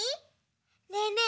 ねえねえ